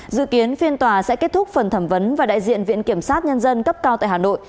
dự kiến phiên tòa sẽ kết thúc phần thẩm vấn và đại diện viện kiểm sát nhân dân cấp cao tại hà nội